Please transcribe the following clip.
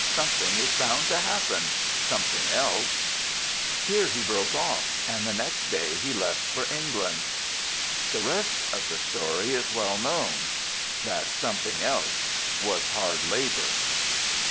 Something is bound to happen ... something else.' Here he broke off, and the next day he left for England. The rest of the story is well known. That 'something else' was hard labour.